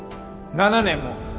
７年も！